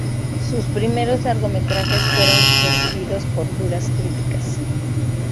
Sus primeros largometrajes fueron recibidos por duras críticas.